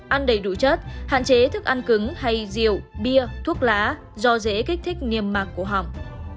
ăn đầy đủ chất hạn chế thức ăn cứng hay rượu bia thuốc lá do dễ kích thích niềm mạc của họng